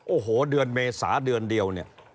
โอ้โหเดือนเมษาเดือนเดียวเนี่ย